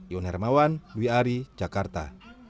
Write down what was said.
ion hermawan dwi ari jakarta